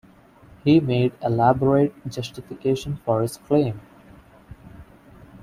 He made elaborate justifications for his claim.